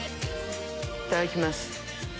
いただきます。